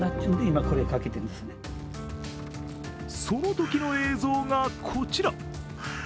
そのときの映像がこちら。